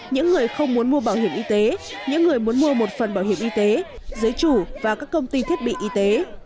những người không muốn mua bảo hiểm y tế những người muốn mua một phần bảo hiểm y tế giới chủ và các công ty thiết bị y tế